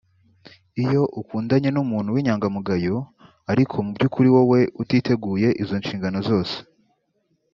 Iyo ukundanye n’umuntu w’inyangamugayo ariko mu by’ukuri wowe utiteguye izo nshingano zose